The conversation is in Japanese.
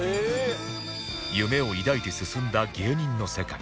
夢を抱いて進んだ芸人の世界